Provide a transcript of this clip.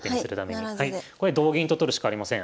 これ同銀と取るしかありません。